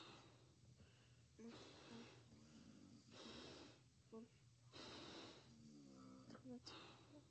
মতি ভয়ে ভলে বলিল, তোমাদের ঝগড়া হল কেন দিদি?